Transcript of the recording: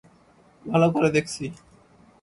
ভালো করে দেখছি!